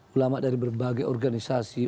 ulama dari berbagai organisasi